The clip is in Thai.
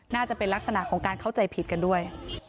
น่าจะเป็นลักษณะของการเข้าใจผิดกันด้วย